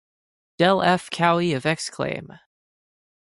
Del F. Cowie of Exclaim!